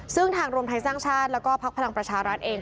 ซึ่งทางรวมไทยสร้างชาติแล้วก็พักพลังประชารัฐเอง